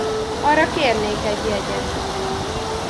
Arra kérnék egy jegyet.